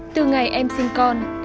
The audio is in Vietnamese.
từ ngày em sinh con